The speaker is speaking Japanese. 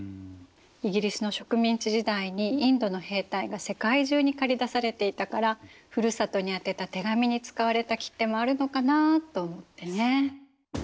イギリスの植民地時代にインドの兵隊が世界中に駆り出されていたからふるさとに宛てた手紙に使われた切手もあるのかなと思ってね。